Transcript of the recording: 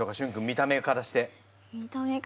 見た目からして。